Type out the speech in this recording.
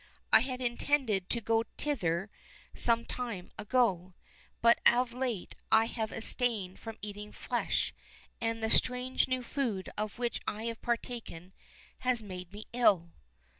I had intended to go thither some time ago, but of late I have abstained from eating flesh, and the strange new food of which I have partaken has made me ill."